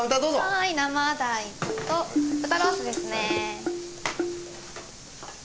はい生大と豚ロースですね。